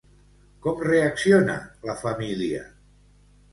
Com reacciona la família?